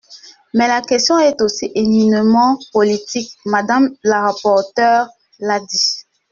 Mais la question est aussi éminemment politique, Madame la rapporteure l’a dit.